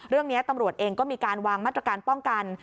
เรื่องนี้ตำรวจเองก็มีการวางมาตรการป้องกัน